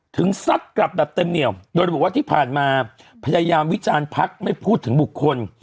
ซัดกลับแบบเต็มเหนียวโดยระบุว่าที่ผ่านมาพยายามวิจารณ์พักไม่พูดถึงบุคคล